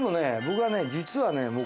僕は実はね。